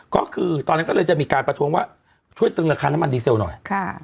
ก็คือตอนนั้นก็เลยจะมีการประท้วงว่าช่วยตึงราคาน้ำมันดีเซลหน่อย